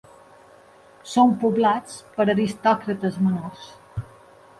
Són poblats per aristòcrates menors.